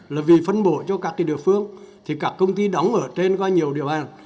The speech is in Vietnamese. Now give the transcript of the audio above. là vì phân bộ cho các địa phương thì các công ty đóng ở trên có nhiều điều hành